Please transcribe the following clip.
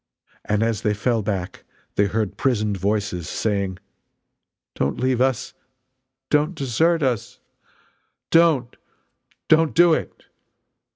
And as they fell back they heard prisoned voices saying: "Don't leave us! Don't desert us! Don't, don't do it!"